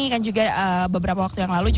kan juga beberapa waktu yang lalu